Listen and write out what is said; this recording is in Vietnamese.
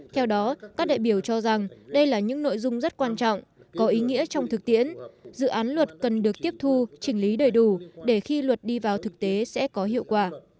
theo đó các đại biểu cho rằng đây là những nội dung rất quan trọng có ý nghĩa trong thực tiễn dự án luật cần được tiếp thu chỉnh lý đầy đủ để khi luật đi vào thực tế sẽ có hiệu quả